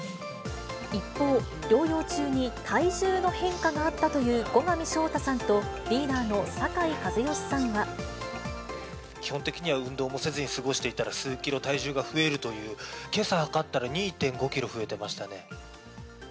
一方、療養中に体重の変化があったという後上翔太さんと、リーダーの酒基本的には運動もせずに過ごしていたら、数キロ体重が増えるという、けさ量ったら２．５キロ増えてましたね。